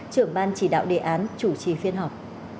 trưởng ban chỉ đạo đề án chủ trì phiên họp